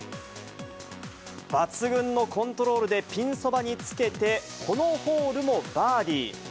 抜群のコントロールでピンそばにつけて、このホールもバーディー。